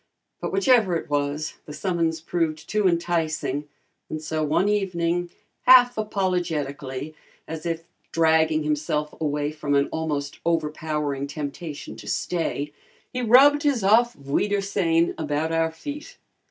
But whichever it was, the summons proved too enticing, and so one evening, half apologetically, as if dragging himself away from an almost overpowering temptation to stay, he rubbed his "Aufwiedersehen" about our feet.